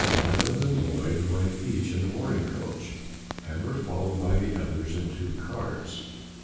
Ryland and Lloyd went each in a mourning coach, and were followed by the others in two carts.